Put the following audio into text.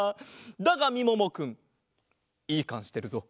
だがみももくんいいかんしてるぞ。